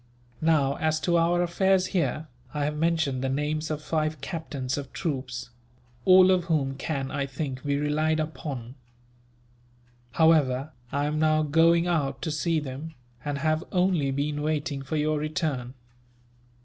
Now, as to our affairs here, I have mentioned the names of five captains of troops; all of whom can, I think, be relied upon. However, I am now going out to see them, and have only been waiting for your return.